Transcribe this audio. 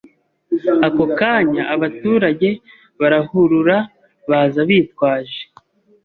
ako kanya abaturage barahurura baza bitwaje